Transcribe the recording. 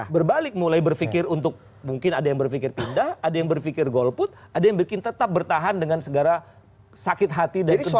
berbalik mulai berpikir untuk mungkin ada yang berpikir pindah ada yang berpikir golput ada yang bikin tetap bertahan dengan segera sakit hati dan sebagainya